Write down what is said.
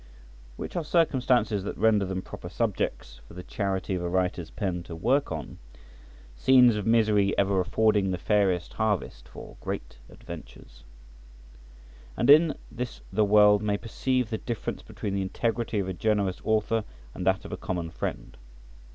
Which are circumstances that render them proper subjects for the charity of a writer's pen to work on, scenes of misery ever affording the fairest harvest for great adventures. And in this the world may perceive the difference between the integrity of a generous Author and that of a common friend.